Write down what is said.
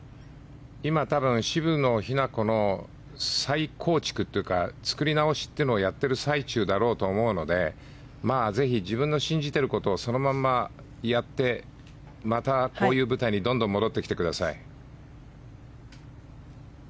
今、多分渋野日向子の再構築というか作り直しというのをやっている最中だと思うのでぜひ、自分の信じてることをそのままやってまたこういう舞台にどんどん戻ってきてください。